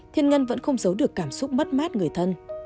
thiên nhân vẫn không giấu được cảm xúc mất mát người thân